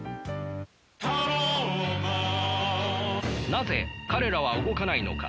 なぜ彼らは動かないのか。